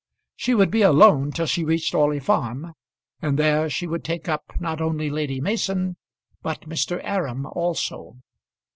She would be alone till she reached Orley Farm, and there she would take up not only Lady Mason, but Mr. Aram also.